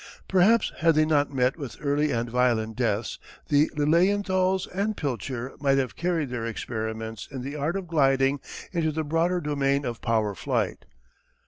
_] Perhaps had they not met with early and violent deaths, the Lilienthals and Pilcher might have carried their experiments in the art of gliding into the broader domain of power flight.